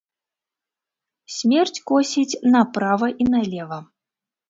Смерць косіць направа і налева.